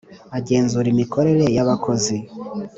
Agenzura imikorere y abakozi